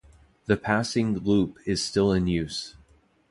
The passing loop is still in use.